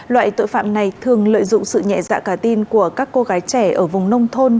loại tội phạm này thường lợi dụng sự nhẹ dạ cả tin của các cô gái trẻ ở vùng nông thôn